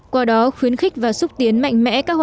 qua đó khuyến khích và xúc tiến mạnh mẽ các hoạt